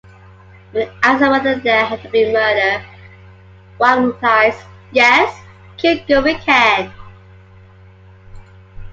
When asked whether there had been a murder, Wang replies, Yes: killed good weekend.